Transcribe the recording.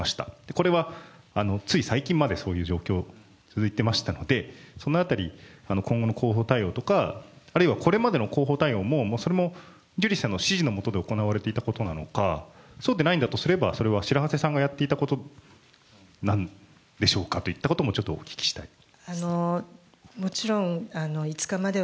これは、つい最近までそういう状況が続いていましたので、今後の広報対応とか、あるいはこれまでの広報対応も、それもジュリーさんの指示のもとで行われていたのか、そうでないのだとすれば、それは白波瀬がやっていたことなんでしょうかということも、ちょっとお聞きしたいです。